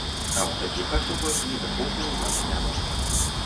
А ў такіх асобах недахопу ў нас няма.